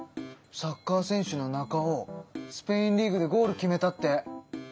サッカー選手のナカオスペインリーグでゴール決めたって！